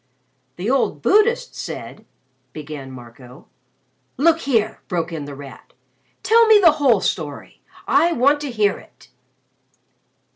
"The old Buddhist said " began Marco. "Look here!" broke in The Rat. "Tell me the whole story. I want to hear it."